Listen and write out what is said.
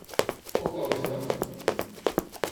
Ou talvez não?